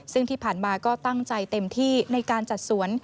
ซึ่งที่ผ่านมาก็ตั้งใจเต็มที่ในการจัดสวน